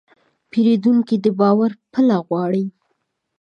پیرودونکی د باور پله غواړي.